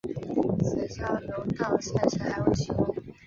此交流道现时还未启用。